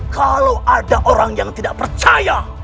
kalau ada orang yang tidak percaya